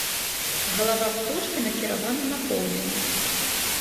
Галава птушкі накіравана на поўдзень.